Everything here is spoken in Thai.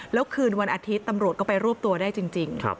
แล้วคืนวันอาทิตย์ตำรวจก็ไปรวบตัวได้จริง